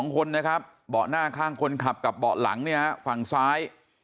๒คนนะครับเบาะหน้าข้างคนขับกับเบาะหลังเนี่ยฮะฝั่งซ้าย